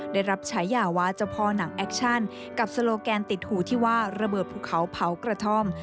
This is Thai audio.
ได้รับฉายาว่าเจ้าพ่อหนังแอคชั่นกับโซโลแกนติดหูที่ว่าระเบิดภูเขาเผากระท่อม